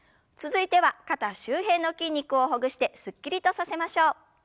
続いては肩周辺の筋肉をほぐしてすっきりとさせましょう。